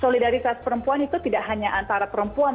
solidaritas perempuan itu tidak hanya antara perempuan